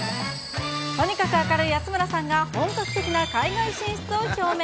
とにかく明るい安村さんが、本格的な海外進出を表明。